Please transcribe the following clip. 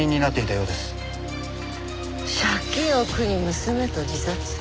借金を苦に娘と自殺。